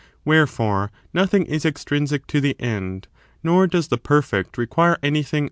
Wherefore, nothing is extrinsic to the end, nor does the perfect require anything of the sort.